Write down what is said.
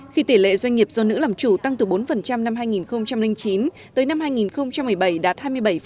khi tỷ lệ doanh nghiệp do nữ làm chủ tăng từ bốn năm hai nghìn chín hai nghìn một mươi bảy đạt hai mươi bảy tám